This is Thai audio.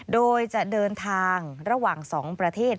โดยจะเดินทางระหว่าง๒ประเทศ